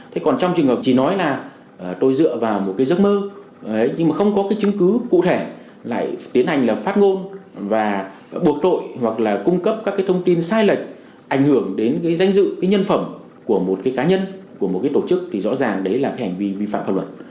thế còn trong trường hợp chỉ nói là tôi dựa vào một cái giấc mơ nhưng mà không có cái chứng cứ cụ thể lại tiến hành là phát ngôn và buộc tội hoặc là cung cấp các cái thông tin sai lệch ảnh hưởng đến cái danh dự cái nhân phẩm của một cái cá nhân của một cái tổ chức thì rõ ràng đấy là cái hành vi vi phạm pháp luật